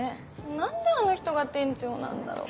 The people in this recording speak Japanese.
何であの人が店長なんだろう。